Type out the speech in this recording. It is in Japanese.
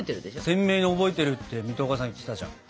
鮮明に覚えてるって水戸岡さん言ってたじゃん。